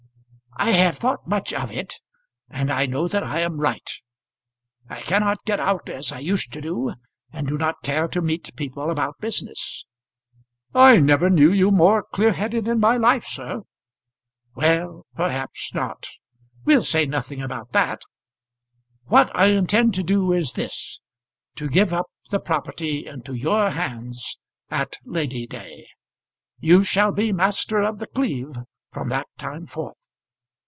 "I have thought much of it, and I know that I am right. I cannot get out as I used to do, and do not care to meet people about business." "I never knew you more clear headed in my life, sir." "Well, perhaps not. We'll say nothing about that. What I intend to do is this; to give up the property into your hands at Lady day. You shall be master of The Cleeve from that time forth."